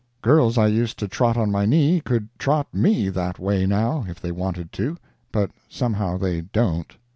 Girls I used to trot on my knee could trot me that way now, if they wanted to—but somehow they don't.